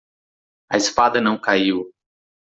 A espada não caiu.